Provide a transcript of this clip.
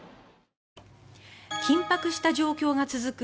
緊迫した状況が続く